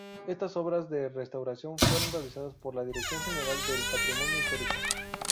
Estas obras de restauración fueron realizadas por la Dirección General de Patrimonio Histórico.